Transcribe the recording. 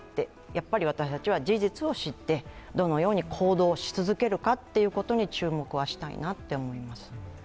やっぱり私たちは事実を知って、どのように行動し続けるかということに注目はしたいなと思います。